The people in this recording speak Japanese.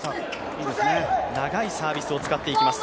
長いサービスを使っていきます。